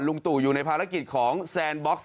ตู่อยู่ในภารกิจของแซนบ็อกซ์